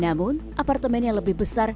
namun apartemen yang lebih besar